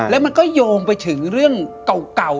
แล้วมันก็โยงไปถึงเรื่องเก่า